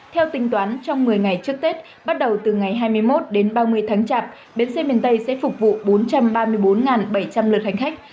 theo tính toán trong một mươi ngày trước tết bắt đầu từ ngày hai mươi một đến ba mươi tháng chạp bến xe miền tây sẽ phục vụ bốn trăm ba mươi bốn bảy trăm linh lượt hành khách